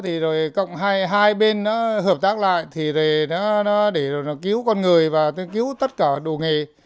thì rồi cộng hai bên nó hợp tác lại thì nó để rồi nó cứu con người và cứu tất cả đồ nghề